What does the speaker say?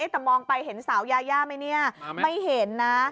แต่มองไปเห็นสาวยายาไหมเนี่ยไม่เห็นนะ